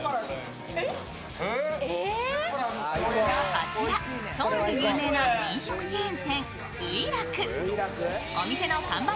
こちらソウルで有名な飲食チェーン店・ウイラク。